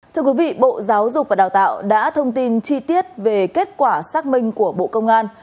thưa quý vị bộ giáo dục và đào tạo đã thông tin chi tiết về kết quả xác minh của bộ công an